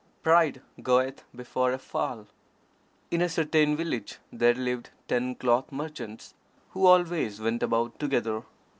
Pride goeth before a Fall In a certain village there lived ten cloth merchants, who always went about together.